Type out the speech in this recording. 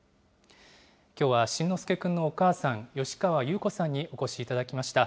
きょうは慎之介くんのお母さん、吉川優子さんにお越しいただきました。